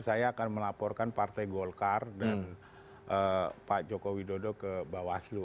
saya akan melaporkan partai golkar dan pak joko widodo ke bawaslu